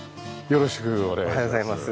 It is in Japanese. よろしくお願いします。